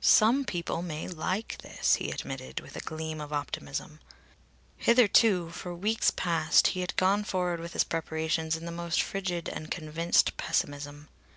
"Some people may like this!" he admitted, with a gleam of optimism. Hitherto, for weeks past, he had gone forward with his preparations in the most frigid and convinced pessimism.